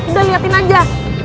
udah liatin aja